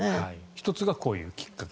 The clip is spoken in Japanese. １つがこういうきっかけ。